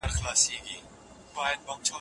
منډېلا د خپل دښمن سره نېکي وکړه.